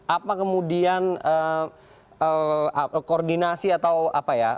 apa kemudian koordinasi atau apa ya